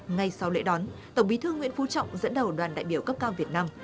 ngay sau lễ đón tổng bí thư nguyễn phú trọng dẫn đầu đoàn đại biểu cấp cao việt nam